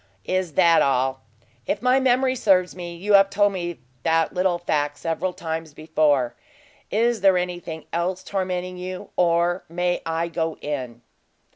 "Is that all? If my memory serves me, you have told me that little fact several times before. Is there anything else tormenting you, or may I go in?"